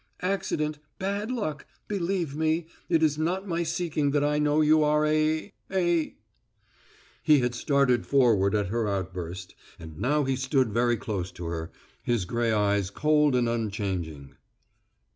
Accident bad luck, believe me, it is not my seeking that I know you are a a " He had started forward at her outburst, and now he stood very close to her, his gray eyes cold and unchanging.